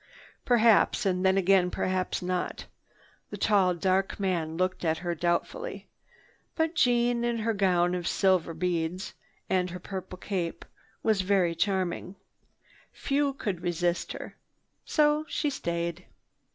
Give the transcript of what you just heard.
"Perhaps, and again perhaps not." The tall, dark man looked at her doubtfully. But Jeanne, in her gown of many silver beads and her purple cape, was very charming. Few could resist her. So she stayed.